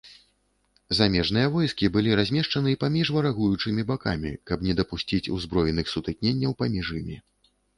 Замежныя войскі былі размешчаны паміж варагуючымі бакамі, каб не дапусціць узброеных сутыкненняў паміж імі.